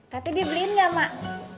tapi dibeliin gak mak